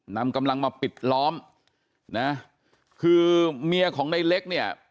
นำกำลังมาปิดล้อมนะคือเมียของในเล็กเนี่ย